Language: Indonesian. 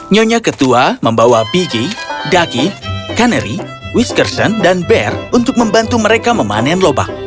nyonya ketua membawa piggy ducky canary whiskerson dan bear untuk membantu mereka memanen lobak